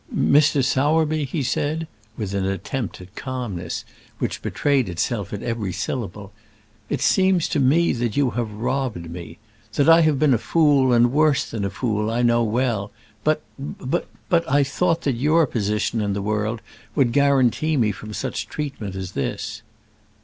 "Mr. Sowerby," said he, with an attempt at calmness which betrayed itself at every syllable, "it seems to me that you have robbed me. That I have been a fool, and worse than a fool, I know well; but but but I thought that your position in the world would guarantee me from such treatment as this."